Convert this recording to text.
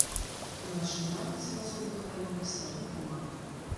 Уначы і раніцай у асобных раёнах слабы туман.